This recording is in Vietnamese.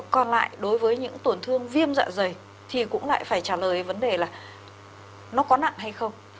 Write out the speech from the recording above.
còn lại đối với những tổn thương viêm dạ dày thì cũng lại phải trả lời vấn đề là nó có nặng hay không